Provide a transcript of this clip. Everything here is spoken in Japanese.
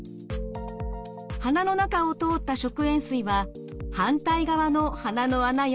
鼻の中を通った食塩水は反対側の鼻の穴や口から出てきます。